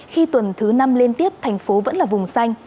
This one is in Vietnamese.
khi tuần thứ năm liên tiếp thành phố vẫn là vùng xanh